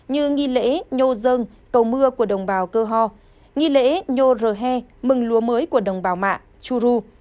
như nghi lễ nhô dân cầu mưa của đồng bào cơ hò nghi lễ nhô rhe mừng lúa mới của đồng bào mạ churu